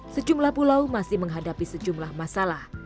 sejumlah pulau masih menghadapi sejumlah masalah